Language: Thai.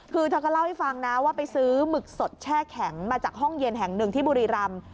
คือเธอก็เล่าให้ฟังนะว่าไปซื้อหมึกสดแช่แข็งมาจากห้องเย็นแห่งหนึ่งที่บุรีรำ